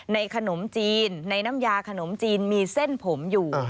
ขนมจีนในน้ำยาขนมจีนมีเส้นผมอยู่